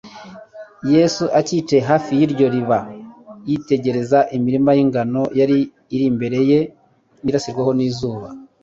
Yesu, acyicaye hafi y'iryo riba, yitegerezaga imirima y'ingano yari iri mbere ye irasiweho n'izuba.